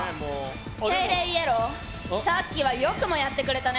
セイレイイエローさっきはよくもやってくれたね。